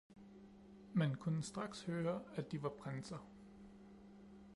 man kunne straks høre, at de var prinser.